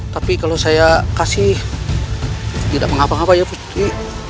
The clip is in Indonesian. tapi kalau saya kasih tidak mengapa apa ya gusti